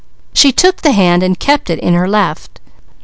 She took the hand and kept it in her left.